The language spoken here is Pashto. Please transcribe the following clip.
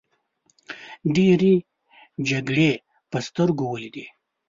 ډیرې جګړې په سترګو ولیدې.